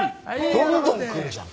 どんどん来るじゃん。